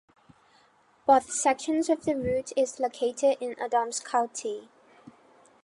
Both sections of the route is located in Adams County.